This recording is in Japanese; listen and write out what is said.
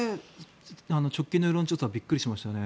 直近の世論調査びっくりしましたね。